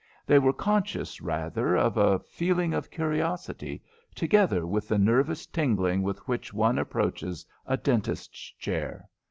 They were conscious rather of a feeling of curiosity, together with the nervous tingling with which one approaches a dentist's chair.